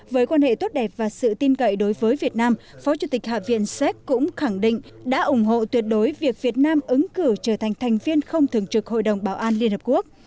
với quan hệ tốt đẹp và sự tin cậy đối với việt nam phó chủ tịch hạ viện séc cũng khẳng định đã ủng hộ tuyệt đối việc việt nam ứng cử trở thành thành viên không thường trực hội đồng bảo an liên hợp quốc